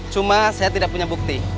cuma saya tidak punya bukti